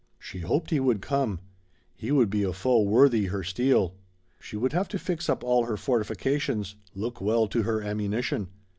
She hoped he would come. He would be a foe worthy her steel. She would have to fix up all her fortifications look well to her ammunition.